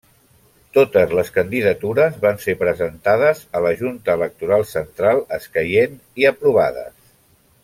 Totes les candidatures van ser presentades a la Junta Electoral Central escaient i aprovades.